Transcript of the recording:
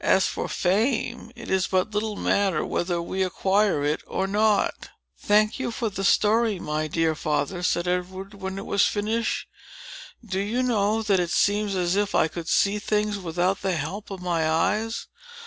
As for fame, it is but little matter whether we acquire it or not. "Thank you for the story, my dear father," said Edward, when it was finished. "Do you know, that it seems as if I could see things without the help of my eyes?